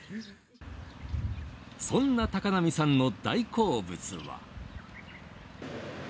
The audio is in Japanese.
そんな高波さんの大好物は。